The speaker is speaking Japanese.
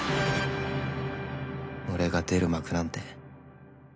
俺が出る幕なんて